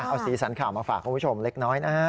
เอาสีสันข่าวมาฝากคุณผู้ชมเล็กน้อยนะฮะ